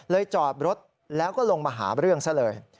จอดรถแล้วก็ลงมาหาเรื่องซะเลย